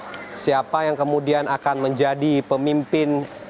jadi siapa yang kemudian akan menjadi pemimpin